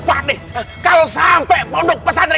pak deh kalau sampai